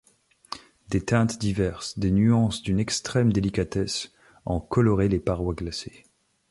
Des teintes diverses, des nuances d’une extrême délicatesse en coloraient les parois glacées.